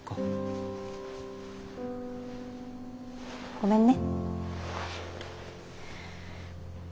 ごめんね。